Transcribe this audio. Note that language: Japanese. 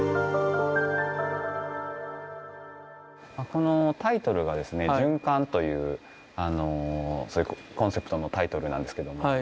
このタイトルがですね「循環」というコンセプトのタイトルなんですけども。